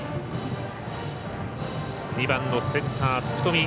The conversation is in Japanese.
２番のセンター、福冨。